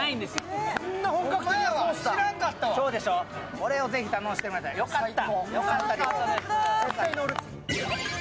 これをぜひ堪能してください、よかった。